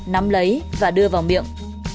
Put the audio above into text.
nắm lấy và đưa vào miệng